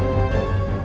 aku mau kemana